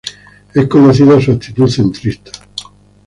Es conocida su actitud centrista.